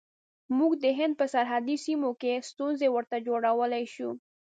موږ د هند په سرحدي سیمو کې ستونزې ورته جوړولای شو.